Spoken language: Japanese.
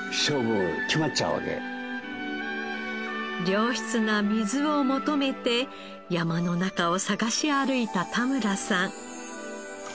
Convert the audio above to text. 良質な水を求めて山の中を探し歩いた田村さん。